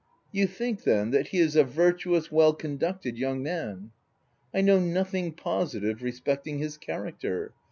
Ci You think, then, that he a virtuous, well conducted young man ?"" I know nothing positive respecting his cha racter.